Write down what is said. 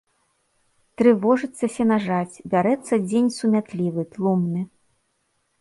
Трывожыцца сенажаць, бярэцца дзень сумятлівы, тлумны.